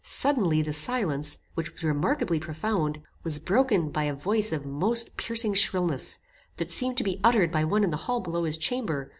Suddenly the silence, which was remarkably profound, was broken by a voice of most piercing shrillness, that seemed to be uttered by one in the hall below his chamber.